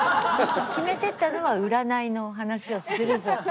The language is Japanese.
決めていったのは「占いの話をするぞ！」。